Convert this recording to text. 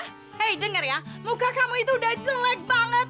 hei dengar ya muka kamu itu udah jelek banget